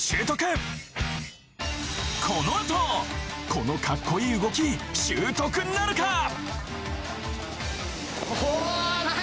このあとこのかっこいい動き習得なるか？